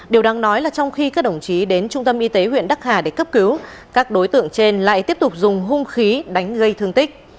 điều đáng nói là trong khi các đồng chí đến trung tâm y tế huyện đắc hà để cấp cứu các đối tượng trên lại tiếp tục dùng hung khí đánh gây thương tích